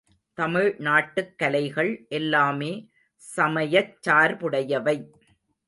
தமிழ்நாட்டுக் கலைகள் எல்லாமே சமயச் சார்புடையவை.